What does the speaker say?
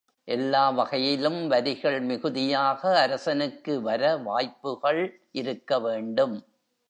எல்லா வகையிலும் வரிகள் மிகுதியாக அரசனுக்கு வர வாய்ப்புகள் இருக்க வேண்டும்.